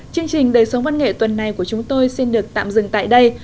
chương trình đời sống văn nghệ tuần này của chúng tôi xin được tạm dừng tại đây